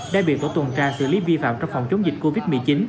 đã bị tổ tuần tra xử lý vi phạm trong phòng chống dịch covid một mươi chín